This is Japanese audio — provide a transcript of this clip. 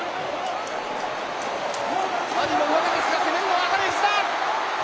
阿炎も上手ですが、攻めるのは熱海富士だ。